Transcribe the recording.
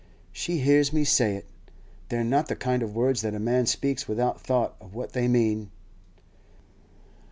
She hears me say it. They're not the kind of words that a man speaks without thought of what they mean.